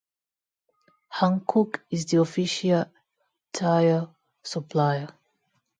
Hankook is the official tire supplier.